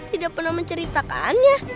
tidak pernah menceritakannya